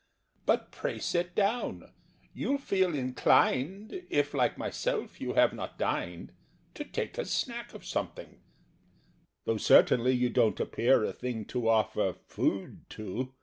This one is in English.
But pray sit down: you'll feel inclined (If, like myself, you have not dined) To take a snack of something: "Though, certainly, you don't appear A thing to offer food to!